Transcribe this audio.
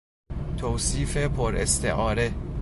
توصیف پر استعاره